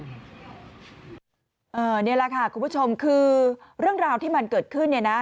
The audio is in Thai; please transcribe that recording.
นี่แหละค่ะคุณผู้ชมคือเรื่องราวที่มันเกิดขึ้นเนี่ยนะ